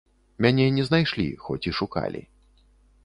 Мяне не знайшлі, хоць і шукалі.